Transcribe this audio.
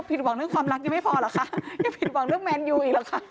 หวังเรื่องความรักยังไม่พอเหรอคะยังผิดหวังเรื่องแมนยูอีกหรอกค่ะ